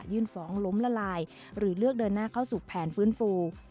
ฟ้องล้มละลายหรือเลือกเดินหน้าเข้าสู่แผนฟื้นฟู